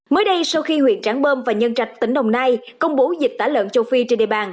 mới đây sau khi huyện trảng bơm và nhân trạch tỉnh đồng nai công bố dịch tả lợn châu phi trên địa bàn